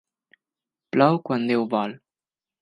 Plou quan Déu vol.